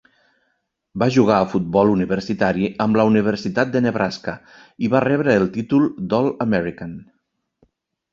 Va jugar a futbol universitari amb la universitat de Nebraska i va rebre el títol d'All-American.